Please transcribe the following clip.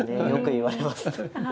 よく言われます。